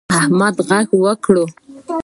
احمد غږ وکړ.